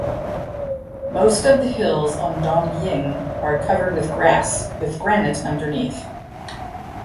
Most of the hills on Dongyin are covered with grass, with granite underneath.